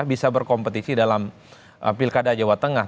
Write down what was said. bisa berkompetisi dalam pilkada jawa tengah